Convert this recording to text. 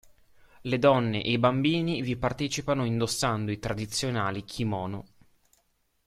Le donne e i bambini vi partecipano indossando i tradizionali kimono.